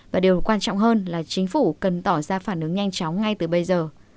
và điều quan trọng hơn là chính phủ cần tỏ ra phản ứng nhanh chóng ngay từ bây giờ